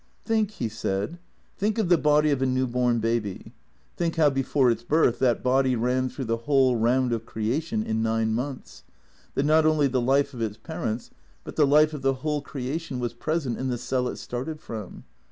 " Think," he said, " think of the body of a new born baby ; think how before its birth that body ran through the whole round of creation in nine months, that not only the life of its parents, but the life of the whole creation was present in the cell it started from.